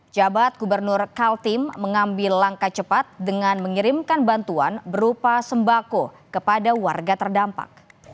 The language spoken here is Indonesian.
jabat gubernur kaltim mengambil langkah cepat dengan mengirimkan bantuan berupa sembako kepada warga terdampak